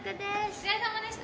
お疲れさまでした。